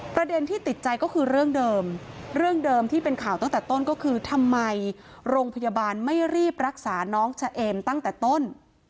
ประเด็นที่ติดใจก็คือเรื่องเดิมเรื่องเดิมที่เป็นข่าวตั้งแต่ต้นก็คือทำไมโรงพยาบาลไม่รีบรักษาน้องเฉเอมตั้งแต่ต้น